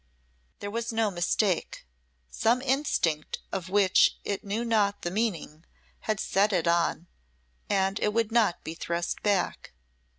There was no mistake, some instinct of which it knew not the meaning had set it on, and it would not be thrust back.